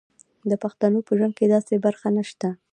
د پښتنو په ژوند کې داسې برخه نشته.